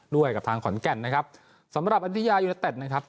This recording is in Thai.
ด้วยกับทางขอนแก่นนะครับสำหรับอันทยายูเนตเต็ดนะครับ